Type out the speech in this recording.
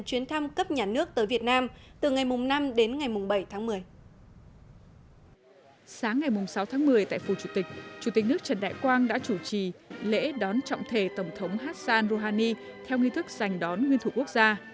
sáng ngày sáu tháng một mươi tại phủ chủ tịch chủ tịch nước trần đại quang đã chủ trì lễ đón trọng thể tổng thống hassan rouhani theo nghi thức giành đón nguyên thủ quốc gia